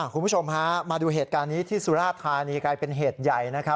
คุณผู้ชมฮะมาดูเหตุการณ์นี้ที่สุราธานีกลายเป็นเหตุใหญ่นะครับ